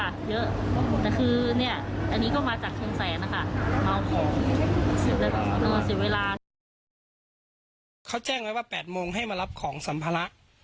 มาเอาของต้องเสียเวลาเขาแจ้งไว้ว่าแปดมงให้มารับของสัมพละ